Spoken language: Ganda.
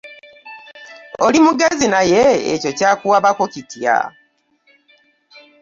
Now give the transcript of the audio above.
Oli mugezi naye ekyo kyakuwabako kitya?